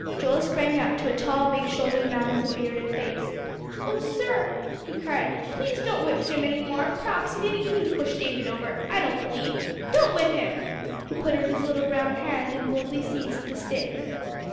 Joel sprang up to a tall, big shouldered man with a bearded face. "Oh, sir," he cried, "please don't whip Jim any more p'r'aps he didn't mean to push David over, I don't b'lieve. Don't whip him." He put out his little brown hand, and boldly seized the stick.